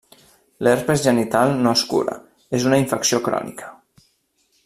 L'herpes genital no es cura; és una infecció crònica.